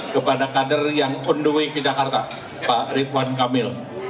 kepada kader yang on the way ke jakarta pak ritwan kamil